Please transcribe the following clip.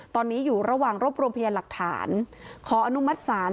ตอนนี้อยู่ระหว่างรวบรวมพยานหลักฐานขออนุมัติศาล